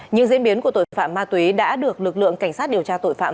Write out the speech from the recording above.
những diễn biến của tội phạm ma túy đã được lực lượng cảnh sát điều tra tội phạm